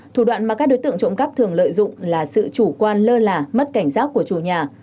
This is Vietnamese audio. thủ đoạn mà các đối tượng trộm cắp thường lợi dụng là sự chủ quan lơ là mất cảnh giác của chủ nhà